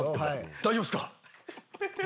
大丈夫ですか？